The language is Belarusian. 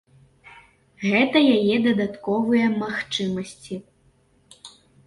Гэта яе дадатковыя магчымасці.